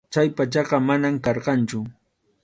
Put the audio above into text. Chay pachaqa manam karqanchu.